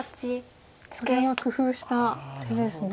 これは工夫した手ですね。